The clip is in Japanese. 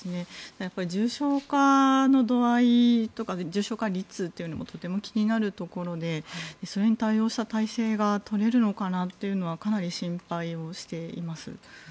やっぱり重症化の度合いとか重症化率というのもとても気になるところでそれに対応した体制がとれるのかなというのはかなり心配しています。